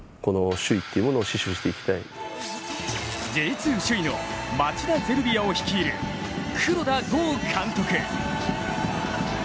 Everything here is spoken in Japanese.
Ｊ２首位の町田ゼルビアを率いる黒田剛監督。